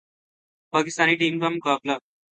Pakistani team کا مقابلہ